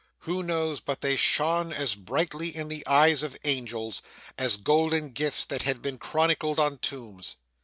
Who knows but they shone as brightly in the eyes of angels, as golden gifts that have been chronicled on tombs?